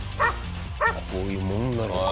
こういうもんなのか。